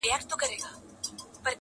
د وخت له کانه به را باسمه غمي د الماس,